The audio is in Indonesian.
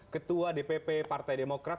ketua dpp partai demokrat